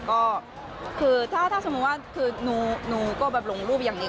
ก็คือถ้าสมมุติว่าคือหนูก็แบบลงรูปอย่างนี้